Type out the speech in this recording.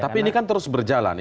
tapi ini kan terus berjalan